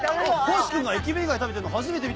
星君が駅弁以外食べてんの初めて見た！